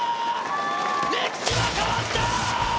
歴史が変わった！